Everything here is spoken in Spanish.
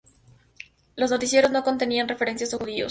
Los noticiarios no contenían referencias a judíos.